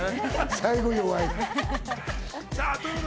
最後弱い！